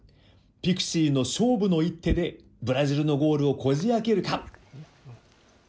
ピクシーの勝負の一手で、ブラジルのゴールをこじあけるか。